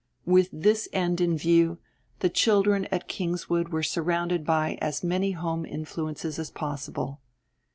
With this end in view, the children at Kingswood were surrounded by as many home influences as possible.